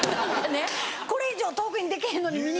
これ以上遠くにできへんのに見にくいとか。